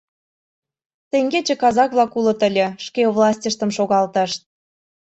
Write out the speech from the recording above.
Теҥгече казак-влак улыт ыле, шке властьыштым шогалтышт.